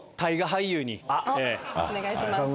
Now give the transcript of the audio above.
お願いします。